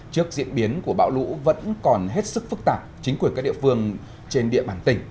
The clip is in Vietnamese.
trước diễn biến của bão lũ vẫn còn hết sức phức tạp chính quyền các địa phương trên địa bàn tỉnh